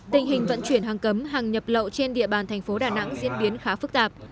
tình hình vận chuyển hàng cấm hàng nhập lậu trên địa bàn thành phố đà nẵng diễn biến khá phức tạp